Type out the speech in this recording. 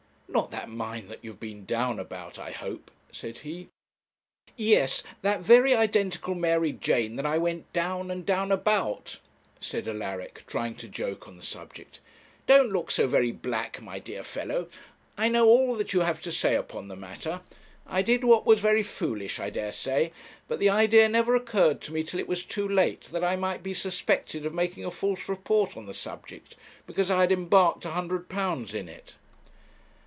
'Not that mine that you've been down about, I hope,' said he. 'Yes that very identical Mary Jane that I went down, and down about,' said Alaric, trying to joke on the subject. 'Don't look so very black, my dear fellow. I know all that you have to say upon the matter. I did what was very foolish, I dare say; but the idea never occurred to me till it was too late, that I might be suspected of making a false report on the subject, because I had embarked a hundred pounds in it.'